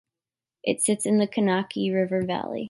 It sits in the Kankakee River Valley.